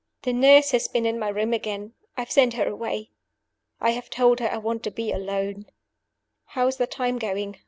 "The nurse has been in my room again. I have sent her away. I have told her I want to be alone. "How is the time going?